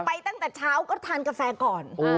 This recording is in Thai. ตั้งแต่เช้าก็ทานกาแฟก่อน